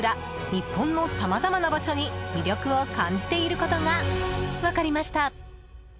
日本のさまざまな場所に魅力を感じていることが分かりました。